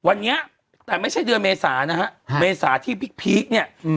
วันนี้แต่ไม่ใช่เดือนเมษานะฮะเมษาที่พีคเนี่ย